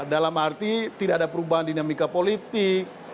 dalam arti tidak ada perubahan dinamika politik